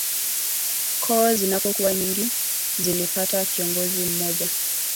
Koo zinapokuwa nyingi zilipata kiongozi mmoja